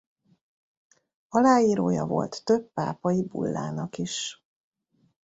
Aláírója volt több pápai bullának is.